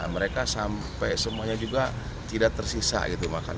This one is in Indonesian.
mereka sampai semuanya juga tidak tersisa gitu makan